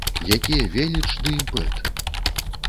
Якія веліч ды імпэт!